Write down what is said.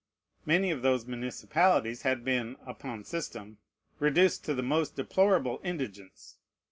Many of those municipalities had been (upon system) reduced to the most deplorable indigence.